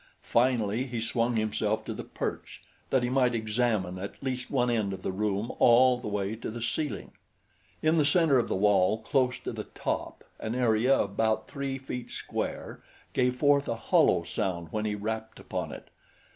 Finally he swung himself to the perch, that he might examine at least one end of the room all the way to the ceiling. In the center of the wall close to the top, an area about three feet square gave forth a hollow sound when he rapped upon it.